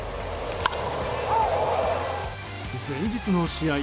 前日の試合